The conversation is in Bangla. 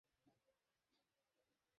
কিন্তু তার কোনো লক্ষণ দেখা যাচ্ছে না।